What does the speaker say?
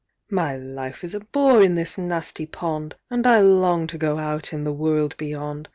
My life is a bore in this nasty pond, And I long to go out in the world beyond!